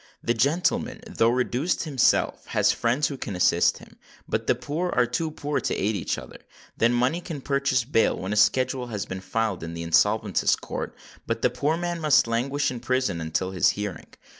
The gentleman, though reduced himself, has friends who can assist him; but the poor are too poor to aid each other. Then money can purchase bail when a schedule has been filed in the Insolvents' Court; but the poor man must languish in prison until his hearing.